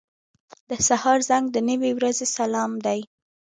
• د سهار زنګ د نوې ورځې سلام دی.